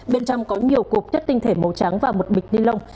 bên trong có nhiều cục chất tinh thể màu trắng và một bịch ni lông